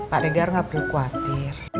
pak regar gak perlu khawatir